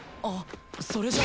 あっ！！